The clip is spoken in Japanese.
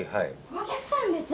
お客さんです。